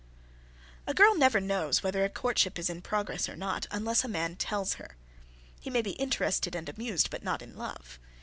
A girl never knows whether a courtship is in progress or not, unless a man tells her. He may be interested and amused, but not in love.